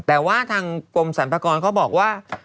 แต่ว่าทางกรมสรรพากรเขาบอกว่า